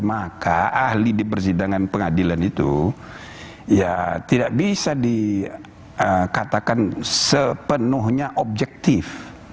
maka ahli di persidangan pengadilan itu ya tidak bisa dikatakan sepenuhnya objektif